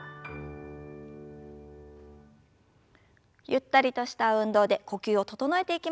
ゆったりとした運動で呼吸を整えていきましょう。